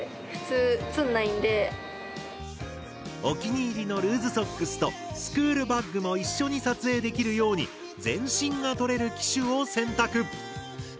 お気に入りのルーズソックスとスクールバッグも一緒に撮影できるように全身が撮れる機種を選択。